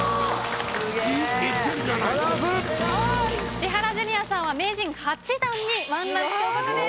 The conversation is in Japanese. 千原ジュニアさんは名人８段に１ランク昇格です。